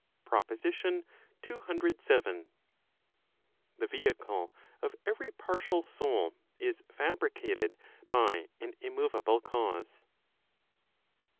PROPOSITION CCVII. The vehicle of every partial soul, is fabricated by an immoveable cause.